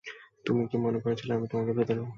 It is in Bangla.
তুমি কি মনে করছিলে আমি তোমাকে ভিতরে প্রবেশ করতে দিবনা।